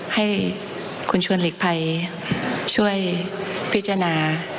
ให้คุณชวนหลีกภัยช่วยพิจารณา